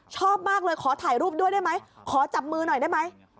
ชอบมากเลยขอถ่ายรูปด้วยได้ไหมขอจับมือหน่อยได้ไหม